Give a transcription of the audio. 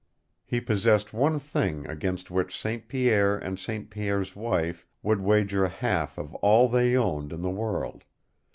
He possessed one thing against which St. Pierre and St. Pierre's wife would wager a half of all they owned in the world!